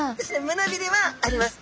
むなびれはあります。